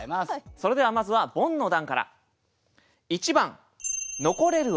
それではまずはボンの段から。